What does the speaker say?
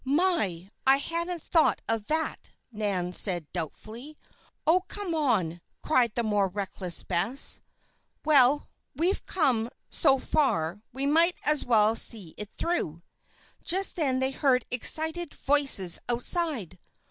"My! I hadn't thought of that," Nan said doubtfully. "Oh, come on," cried the more reckless Bess. "Well we've come, so far, we might as well see it through." Just then they heard excited voices outside.